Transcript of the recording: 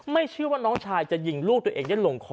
ไม่สินว่าน้องชายยิงลูกตัวเองได้ลงขอ